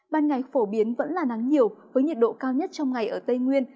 ban ngày phổ biến vẫn là nắng nhiều với nhiệt độ cao nhất trong ngày ở tây nguyên